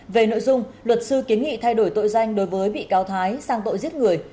về nội dung luật sư kiến nghị thay đổi tội danh đối với bị cáo thái sang tội giết người